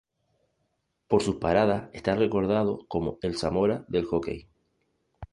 Por sus paradas era recordado como el "Zamora Del Hockey".